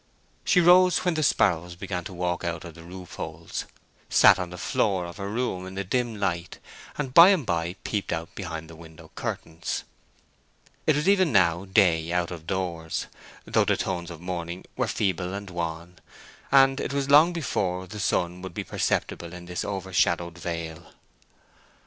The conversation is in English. She rose when the sparrows began to walk out of the roof holes, sat on the floor of her room in the dim light, and by and by peeped out behind the window curtains. It was even now day out of doors, though the tones of morning were feeble and wan, and it was long before the sun would be perceptible in this overshadowed vale.